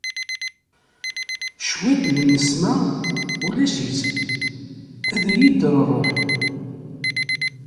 Cwiṭ n nnesma ulac-itt ad iyi-d-terr rruḥ.